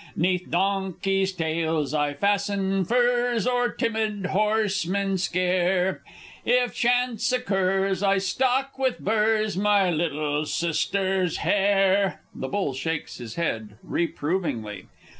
'Neath donkeys' tails I fasten furze, Or timid horsemen scare; If chance occurs, I stock with burrs My little Sister's hair! [_The Bull shakes his head reprovingly.